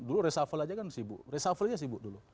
dulu resafel aja kan sibuk resafelnya sibuk dulu